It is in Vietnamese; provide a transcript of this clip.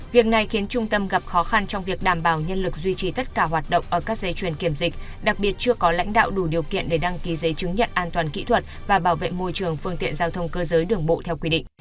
việc này khiến trung tâm gặp khó khăn trong việc đảm bảo nhân lực duy trì tất cả hoạt động ở các dây chuyền kiểm dịch đặc biệt chưa có lãnh đạo đủ điều kiện để đăng ký giấy chứng nhận an toàn kỹ thuật và bảo vệ môi trường phương tiện giao thông cơ giới đường bộ theo quy định